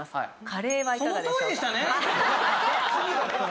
カレーはいかがでしょうか？